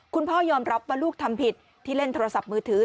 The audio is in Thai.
คุณพ่อยอมรับว่าลูกทำผิดที่เล่นโทรศัพท์มือถือ